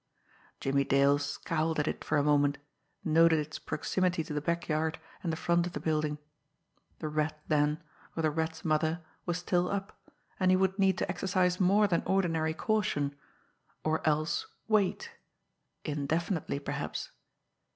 Jimmie Dale scowled at it for a moment, noted its proximity to the backyard and the front of the building. The Rat, then, or the Rat's mother, was still up, and he would need to exercise more than ordinary caution or else wait indefinitely, perhaps.